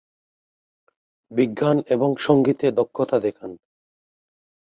বিজ্ঞান এবং সঙ্গীতে দক্ষতা দেখান।